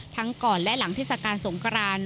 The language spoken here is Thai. ทั้งก่อนและหลังทศการสงกราน